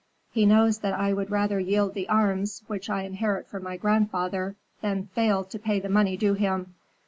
He knows that I would rather yield the arms which I inherit from my grandfather than fail to pay the money due him.